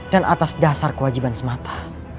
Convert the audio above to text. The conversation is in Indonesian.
dan atas dasar kewajiban semata